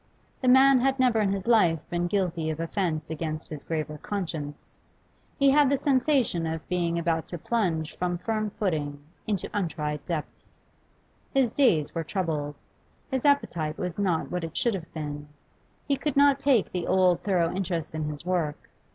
The man had never in his life been guilty of offence against his graver conscience; he had the sensation of being about to plunge from firm footing into untried depths. His days were troubled; his appetite was not what it should have been; he could not take the old thorough interest in his work.